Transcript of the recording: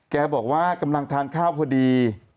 แกบอกว่ากำลังทานข้าวพอดี